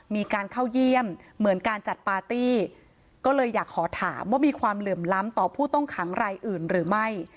มีการเข้าเยี่ยมเหมือนการจัดปาร์ตี้ก็เลยอยากขอถามว่ามีความเหลื่อมล้ำต่อผู้ต้องขังรายอื่นหรือไม่